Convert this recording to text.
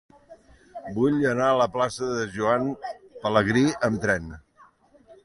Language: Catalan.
Vull anar a la plaça de Joan Pelegrí amb tren.